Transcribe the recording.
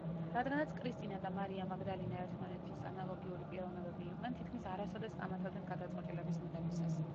რადგანაც კრისტინა და მარია მაგდალინა ერთმანეთის ანალოგიური პიროვნებები იყვნენ, თითქმის არასოდეს კამათობდნენ გადაწყვეტილების მიღებისას.